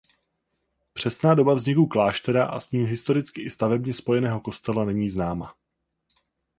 Přesná doba vzniku kláštera a s ním historicky i stavebně spojeného kostela není známa.